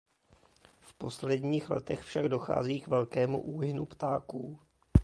V posledních letech však dochází k velkému úhynu ptáků.